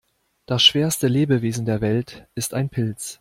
Das schwerste Lebewesen der Welt ist ein Pilz.